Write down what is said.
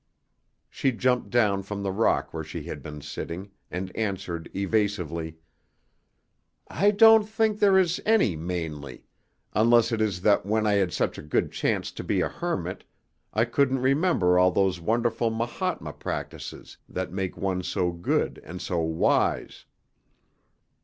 She jumped down from the rock where she had been sitting, and answered evasively, "I don't think there is any mainly, unless it is that when I had such a good chance to be a hermit, I couldn't remember all those wonderful Mahatma practices that make one so good and so wise.